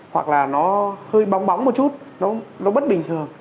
hoặc là nó hơi bong bóng một chút nó bất bình thường